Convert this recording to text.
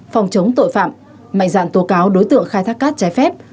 phòng chống tội phạm mạnh dạn tố cáo đối tượng khai thác cát trái phép